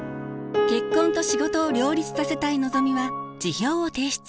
結婚と仕事を両立させたいのぞみは辞表を提出。